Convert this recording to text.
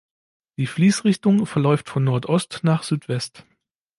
Die Fließrichtung verläuft von Nordost nach Südwest.